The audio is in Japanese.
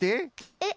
えっ？